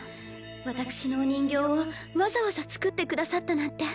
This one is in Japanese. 私のお人形をわざわざ作ってくださったなんて。